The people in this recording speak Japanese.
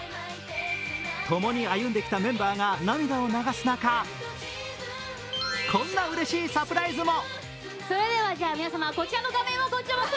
共に歩んできたメンバーが涙を流す中、こんなうれしいサプライズも。